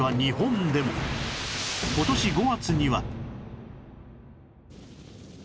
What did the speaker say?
今年５月には